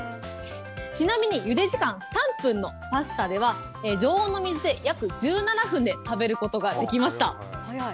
ちなみに、ゆで時間３分のパスタでは、常温の水で約１７分で食べることができました。